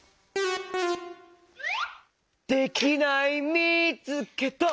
できないみつけた！